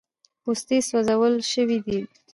پوستې سوځول سوي دي.